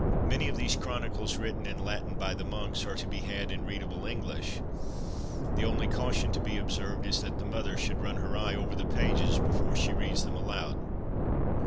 Many of these 'chronicles/ written in Latin by the monks, are to be had in readable English ; the only caution to be observed is, that the mother should run her eye over the pages before she reads them aloud.